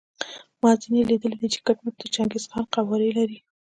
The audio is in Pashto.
ما ځینې لیدلي دي چې کټ مټ د چنګیز خان قوارې لري.